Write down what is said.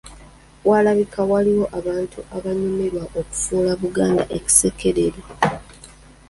Walabika waliwo abantu abanyumirwa okufuula Buganda ekisekererwa.